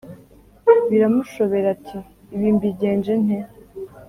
biramushobera ati: “ibi mbigenje nte!